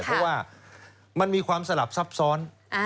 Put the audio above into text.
เพราะว่ามันมีความสลับซับซ้อน